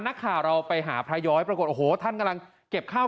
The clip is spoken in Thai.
นักข่าวเราไปหาพระย้อยปรากฏโอ้โหท่านกำลังเก็บข้าว